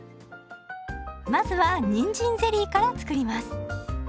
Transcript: まずはにんじんゼリーから作ります。